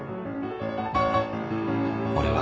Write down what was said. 俺は。